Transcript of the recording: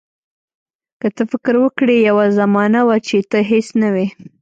که ته فکر وکړې یوه زمانه وه چې ته هیڅ نه وې.